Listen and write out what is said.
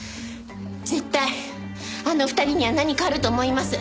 絶対あの２人には何かあると思います。